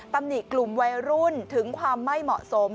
ตำหนิกลุ่มวัยรุ่นถึงความไม่เหมาะสม